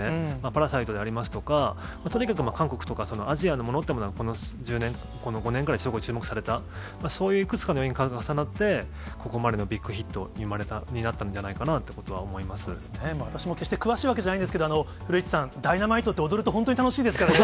パラサイトでありますとか、とにかく韓国とかアジアのものっていうのが、この５年、１０年ぐらいすごい注目された、そういういくつかの要因が重なって、ここまでのビッグヒットが思そうですね、私も決して詳しいわけじゃないんですけれども、古市さん、Ｄｙｎａｍｉｔｅって踊ると本当に楽しいですから。